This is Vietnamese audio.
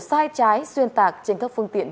sai trái xuyên tạc trên các phương tiện